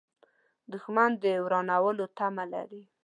دښمن د ورانولو تمه لري